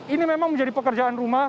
ini memang menjadi pekerjaan rumah